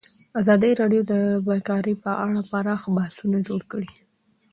ازادي راډیو د بیکاري په اړه پراخ بحثونه جوړ کړي.